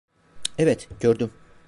Evet, gördüm.